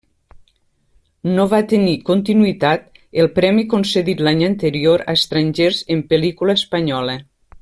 No va tenir continuïtat el premi concedit l'any anterior a estrangers en pel·lícula espanyola.